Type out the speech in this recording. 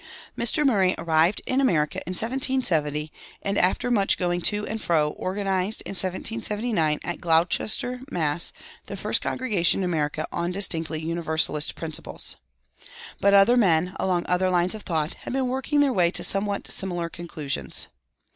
[225:2] Mr. Murray arrived in America in 1770, and after much going to and fro organized, in 1779, at Gloucester, Mass., the first congregation in America on distinctly Universalist principles. But other men, along other lines of thought, had been working their way to somewhat similar conclusions.